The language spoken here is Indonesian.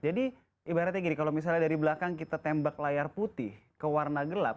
ibaratnya gini kalau misalnya dari belakang kita tembak layar putih ke warna gelap